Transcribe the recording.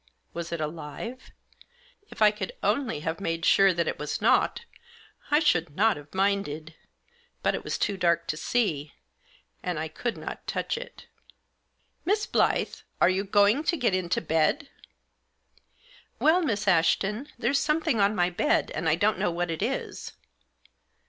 Was it alive ? If I could only have made sure that it was not, I should not have minded. But it was too dark to see ; and I could not touch it " Mfes Blyth, are you going to get into bed ?"" Well, Miss Ashton, there's something on my bed, and I don't know what it is."